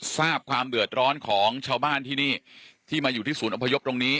ความเดือดร้อนของชาวบ้านที่นี่ที่มาอยู่ที่ศูนย์อพยพตรงนี้